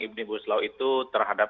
omnibus law itu terhadap